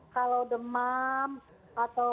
kalau demam atau